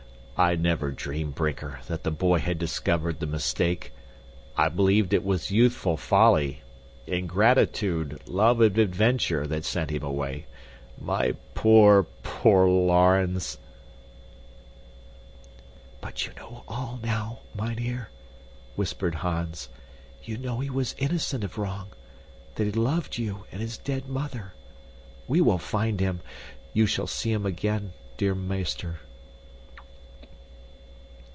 I never dreamed, Brinker, that the boy had discovered the mistake. I believed it was youthful folly, ingratitude, love of adventure, that sent him away. My poor, poor Laurens!" "But you know all, now, mynheer," whispered Hans. "You know he was innocent of wrong, that he loved you and his dead mother. We will find him. You shall see him again, dear meester."